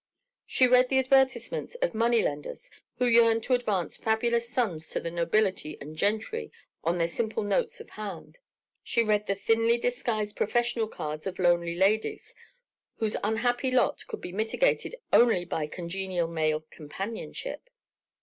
She read the advertisements of money lenders who yearned to advance fabulous sums to the nobility and gentry on their simple notes of hand. She read the thinly disguised professional cards of lonely ladies whose unhappy lot could be mitigated only by congenial male companionship.